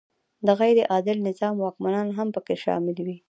د غیر عادل نظام واکمنان هم پکې شامل وي.